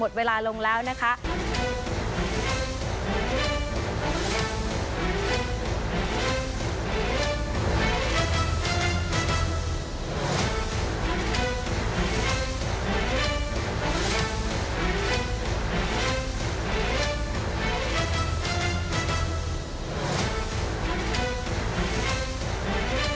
ส่วนต่างกระโบนการ